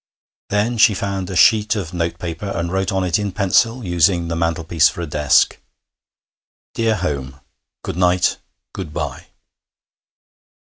Then she found a sheet of notepaper, and wrote on it in pencil, using the mantelpiece for a desk: 'Dear home. Good night, good bye.'